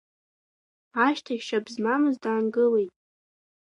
Ашьҭахь шьап змамыз даангылеит.